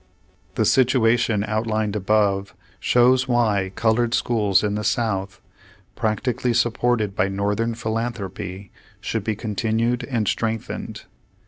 The situation outlined above, shows why colored schools in the South, practically supported by Northern philanthropy, should be continued and strengthened.